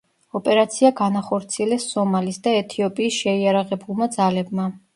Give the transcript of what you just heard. ოპერაცია განახორციელეს სომალის და ეთიოპიის შეიარაღებულმა ძალებმა.